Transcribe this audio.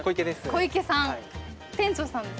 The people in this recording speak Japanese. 小池さん店長さんですか？